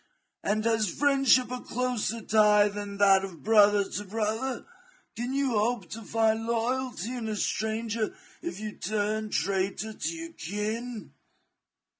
And has friendship a closer tie than that of brother to brother ; can you hope to find loyalty in a stranger if you turn traitor to your kin ?